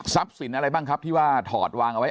สินอะไรบ้างครับที่ว่าถอดวางเอาไว้